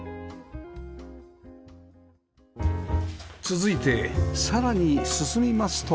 続いてさらに進みますと